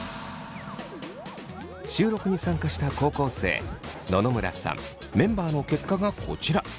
収録に参加した高校生野々村さんメンバーの結果がこちら。